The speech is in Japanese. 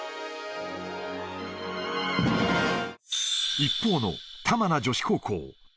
一方の玉名女子高校。